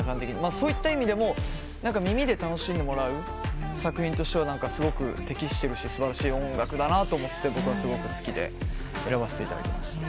そういった意味でも耳で楽しんでもらう作品としてはすごく適してるし素晴らしい音楽だなと思って僕はすごく好きで選ばせていただきました。